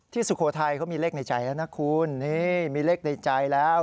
สุโขทัยเขามีเลขในใจแล้วนะคุณนี่มีเลขในใจแล้ว